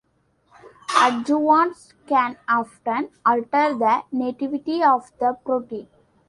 Adjuvants can often alter the nativity of the protein.